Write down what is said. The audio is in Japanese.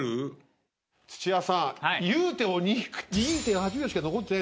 土屋さんいうて２．８秒しか残ってないんだけど。